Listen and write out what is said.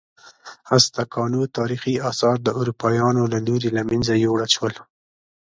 ازتکانو تاریخي آثار د اروپایانو له لوري له منځه یوړل شول.